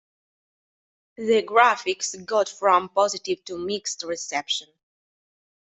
The graphics got from positive to mixed reception.